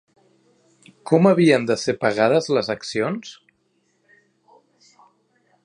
Com havien de ser pagades les accions?